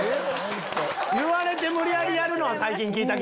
言われて無理やりやるのは最近聞いたけど。